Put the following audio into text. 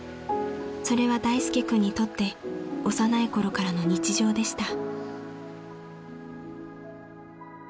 ［それは大介君にとって幼いころからの日常でした］